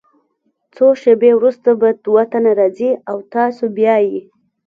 څو شیبې وروسته به دوه تنه راځي او تاسو بیایي.